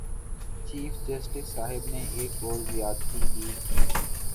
Chief justice صاحب نے ایک اور زیادتی بھی کی۔